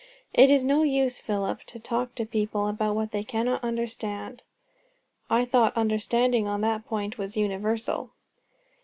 "It is no use, Philip, to talk to people about what they cannot understand." "I thought understanding on that point was universal."